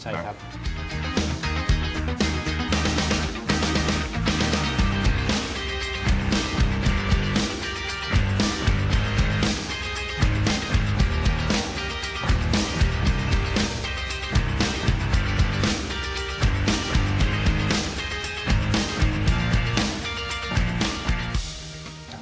ใช่ครับ